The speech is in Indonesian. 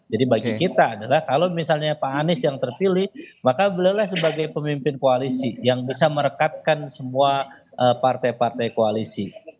jadi bagi kita adalah kalau misalnya pak anies yang terpilih maka beliau lah sebagai pemimpin koalisi yang bisa merekatkan semua partai partai koalisi